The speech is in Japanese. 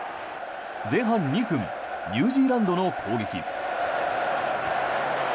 前半２分ニュージーランドの攻撃。